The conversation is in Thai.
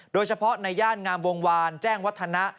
โดยเฉพาะในย่านงามวงวานแจ้งวัฒนะ